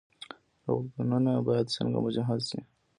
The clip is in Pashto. روغتونونه باید څنګه مجهز شي؟